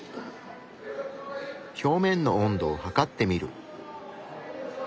表面の温度を測ってみる。